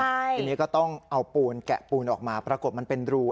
ทีนี้ก็ต้องเอาปูนแกะปูนออกมาปรากฏมันเป็นรู